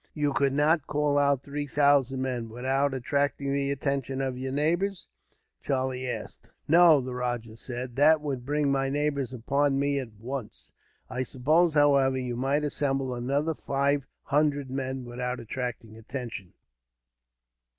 "You could not call out three thousand men, without attracting the attention of your neighbours?" Charlie asked. "No," the rajah said; "that would bring my neighbours upon me, at once." "I suppose, however, you might assemble another five hundred men, without attracting attention."